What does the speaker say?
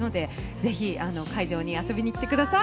ぜひ会場に遊びに来てください。